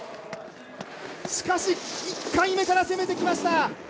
しかし１回目から攻めてきました。